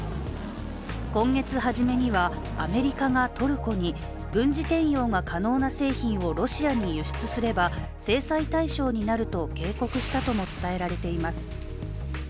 今月初めにはアメリカがトルコに軍事転用が可能な製品をロシアに輸出すれば制裁対象になると警告したとも伝えられています。